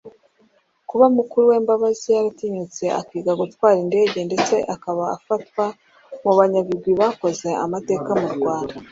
Kuba mukuru we Mbabazi yaratinyutse akiga gutwara indege ndetse akaba afatwa mu banyabigwi bakoze amateka mu Rwanda